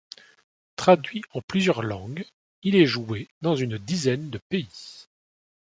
Traduit en plusieurs langues, il est joué dans une dizaine de pays.